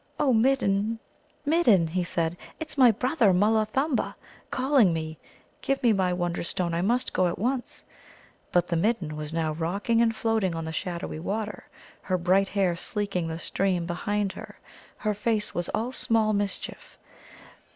"Oh, Midden, Midden!" he said, "it is my brother, Mulla Thumma, calling me. Give me my Wonderstone; I must go at once." But the Midden was now rocking and floating on the shadowy water, her bright hair sleeking the stream behind her. Her face was all small mischief.